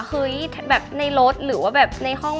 เฮ้ยแบบในรถหรือว่าแบบในห้อง